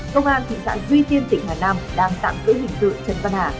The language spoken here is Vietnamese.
công an thị sản duy tiên tỉnh hà nam đang tạm giữ hình tượng trần văn hà